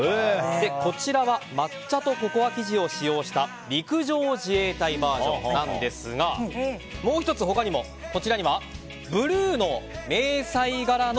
こちらは抹茶とココア生地を使用した陸上自衛隊バージョンなんですがもう１つ他にもブルーの迷彩柄の